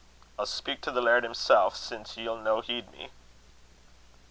I'll speak to the laird himsel', sin' ye'll no heed me."